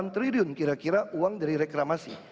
satu ratus lima puluh delapan triliun kira kira uang dari reklamasi